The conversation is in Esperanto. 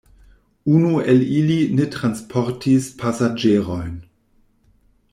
Unu el ili ne transportis pasaĝerojn.